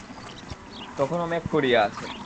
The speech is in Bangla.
তখনো মেঘ করিয়া আছে।